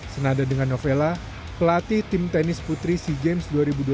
senada dengan novella pelatih tim tenis putri sea games dua ribu dua puluh